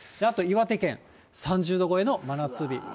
あと岩手県、３０度超えの真夏日。